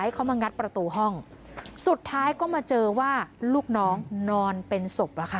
เขามางัดประตูห้องสุดท้ายก็มาเจอว่าลูกน้องนอนเป็นศพแล้วค่ะ